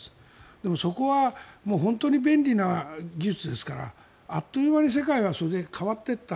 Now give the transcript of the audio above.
でもそこは本当に便利な技術ですからあっという間に世界はそれで変わっていった。